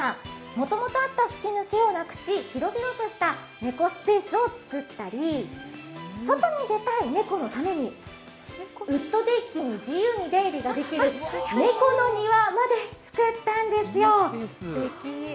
もともとあった吹き抜けをなくし広々とした猫スペースを作ったり外に出たい猫のためにウッドデッキに自由に出入りできる猫の庭まで作ったんですよ。